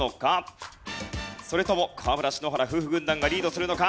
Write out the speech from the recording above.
それとも河村＆篠原夫婦軍団がリードするのか？